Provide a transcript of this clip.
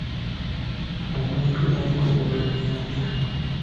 Omuntu aliko obulemu y'ani?